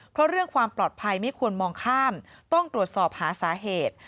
เพราะเรื่องความปลอดภัยไม่ควรมองข้ามต้องตรวจสอบหาสาเหตุ